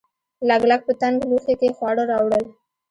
لګلګ په تنګ لوښي کې خواړه راوړل.